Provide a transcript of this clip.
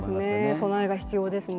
備えが必要ですね。